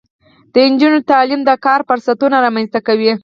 د نجونو تعلیم د کار فرصتونه رامنځته کوي.